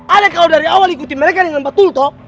ada kalau dari awal ikuti mereka dengan empat tultok